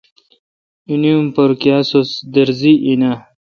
اُ نی اُم پرکیا سُودرزی این آں؟